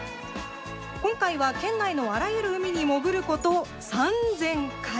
今回は、県内のあらゆる海に潜ること３０００回。